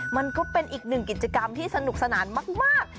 มันก็เป็นอีกหนึ่งกิจกรรมที่สนุกสนานมาก